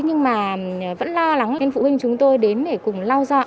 nhưng mà vẫn lo lắng nên phụ huynh chúng tôi đến để cùng lau dọn